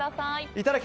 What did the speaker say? いただき！